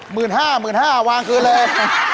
ห้าหมื่นห้าวางคืนเลย